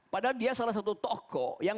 padahal dia salah satu tokoh yang